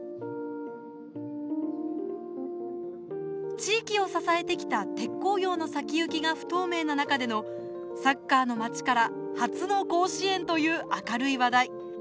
地域を支えてきた鉄鋼業の先行きが不透明な中でのサッカーの町から初の甲子園という明るい話題。